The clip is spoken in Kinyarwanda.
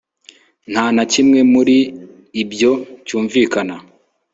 Nta na kimwe muri ibyo cyumvikana